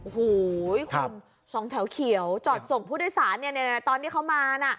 หูยครับสองแถวเขียวจอดส่งผู้โดยสารเนี้ยในตอนที่เขามาน่ะ